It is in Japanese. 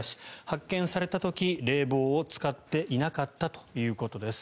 発見された時冷房を使っていなかったということです。